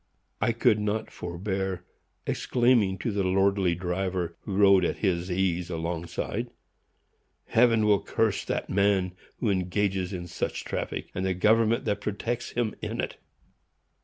I could not forbear exclaiming to the lordly driver who rode at his ease along side, "Heaven will curse that man who engages in such traffic, and the government that protects him in it!"